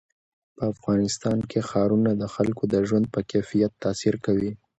په افغانستان کې ښارونه د خلکو د ژوند په کیفیت تاثیر کوي.